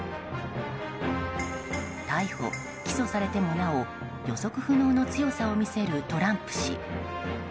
逮捕・起訴されてもなお予測不能の強さを見せるトランプ氏。